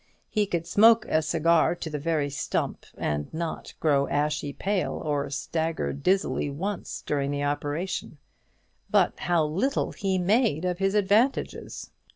He could smoke a cigar to the very stump, and not grow ashy pale, or stagger dizzily once during the operation; but how little he made of his advantages!